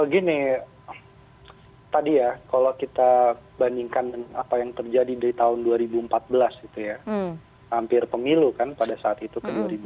gini tadi ya kalau kita bandingkan apa yang terjadi di tahun dua ribu empat belas hampir pemilu kan pada saat itu dua ribu empat belas dua ribu lima belas